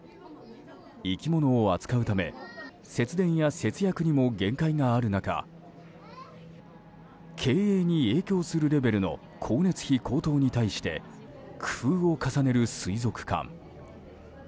生き物を扱うため節電や節約にも限界がある中経営に影響するレベルの光熱費高騰に対して工夫を重ねる水族館。